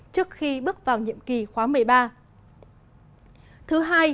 trước khi bước vào nhiệm kỳ khóa một mươi ba